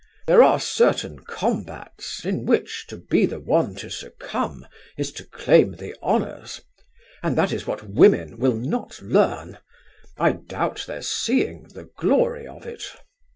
There are certain combats in which to be the one to succumb is to claim the honours; and that is what women will not learn. I doubt their seeing the glory of it."